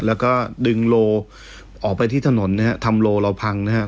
แล้วก็ดึงโลออกไปที่ถนนนะฮะทำโลเราพังนะครับ